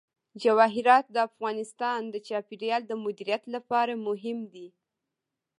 جواهرات د افغانستان د چاپیریال د مدیریت لپاره مهم دي.